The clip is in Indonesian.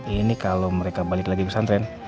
ini kalo mereka balik lagi ke pusat tren